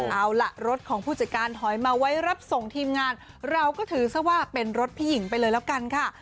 เอาล่ะรถของผู้จัดการถอยมาไว้รับส่งทีมงานเราก็ถือซะว่าเป็นรถพี่หญิงไปเลยแล้วกันค่ะ